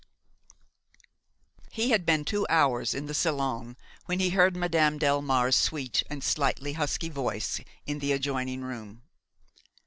XII He had been two hours in the salon when he heard Madame Delmare's sweet and slightly husky voice in the adjoining room.